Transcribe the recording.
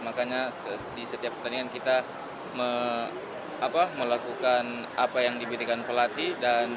makanya di setiap pertandingan kita melakukan apa yang diberikan pelatih